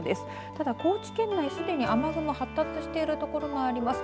ただ高知県内、すでに雨雲が発達している所もあります。